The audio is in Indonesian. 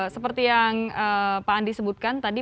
seperti yang pak andi sebutkan tadi